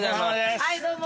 はいどうも。